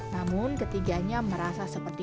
namun ketiganya merasa seperti